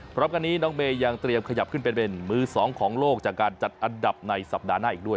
พร้อมกันนี้น้องเมย์ยังเตรียมขยับขึ้นไปเป็นมือสองของโลกจากการจัดอันดับในสัปดาห์หน้าอีกด้วย